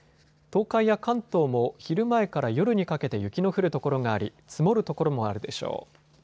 東海や関東も昼前から夜にかけて雪の降る所があり、積もる所もあるでしょう。